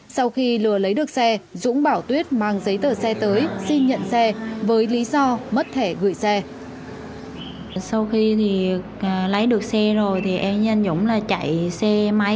sau khi lừa lấy được xe dũng bảo tuyết mang giấy tờ xe tới xin nhận xe với lý do mất thẻ gửi xe